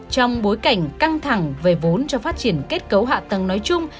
trong bối cảnh căng thẳng về vốn cho phát triển kết cấu hạ tầng nói chung